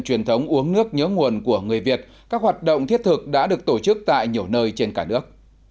truyền thống uống nước nhớ nguồn của người việt các hoạt động thiết thực đã được tổ chức tại nhiều nơi trên cả nước